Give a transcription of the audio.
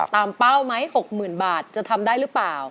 เป้าไหม๖๐๐๐บาทจะทำได้หรือเปล่า